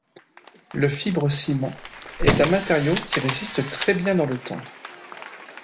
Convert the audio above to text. Le fibre-ciment est un matériau qui résiste très bien dans le temps.